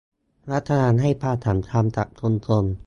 รัฐบาลให้ความสำคัญกับชุมชน